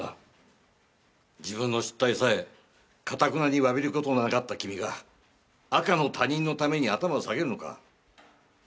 自分の失態さえかたくなにわびる事のなかった君が赤の他人のために頭を下げるのか。